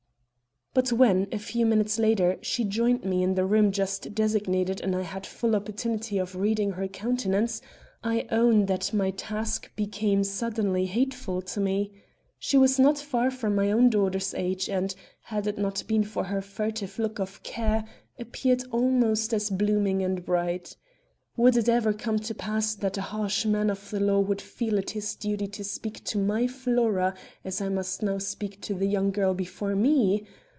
But when, a few minutes later, she joined me in the room just designated and I had full opportunity for reading her countenance, I own that my task became suddenly hateful to me. She was not far from my own daughter's age and, had it not been for her furtive look of care, appeared almost as blooming and bright. Would it ever come to pass that a harsh man of the law would feel it his duty to speak to my Flora as I must now speak to the young girl before me?